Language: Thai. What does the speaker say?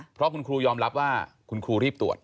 เพราะคุณครูยอมรับว่าคุณครูรีบตรวจ